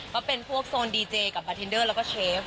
ก็เป็นพวกโซนดีเจกับบาทินเดอร์แล้วก็เชฟ